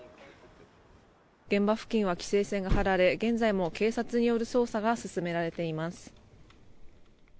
現場付近は規制線が張られ現在も警察による捜査が進められています。